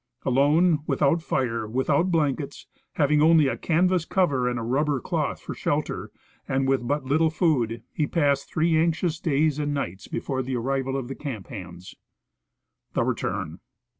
Alone, without fire, without blankets, having only a canvas cover and a rubber cloth for shelter, and Avith but little food, he passed three anxious days and nights before the arrival of the camp hands. The Return.